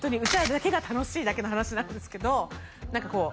らだけが楽しいだけの話なんですけどう